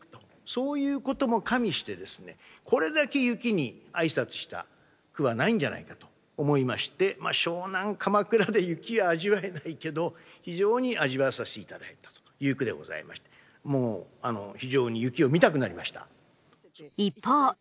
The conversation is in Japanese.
そういうことも加味してですねと思いまして湘南鎌倉で雪は味わえないけど非常に味わわさせて頂いたという句でございましてもう非常に雪を見たくなりました。